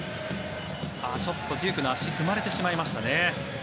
ちょっとデュークの足が踏まれてしまいましたね。